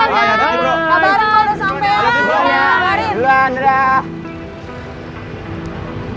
habarin kalo udah sampe